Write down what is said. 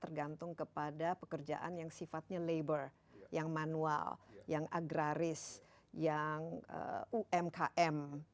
tergantung kepada pekerjaan yang sifatnya labor yang manual yang agraris yang umkm